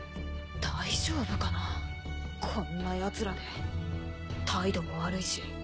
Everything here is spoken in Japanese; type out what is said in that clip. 大丈夫かなこんなヤツらで態度も悪いし。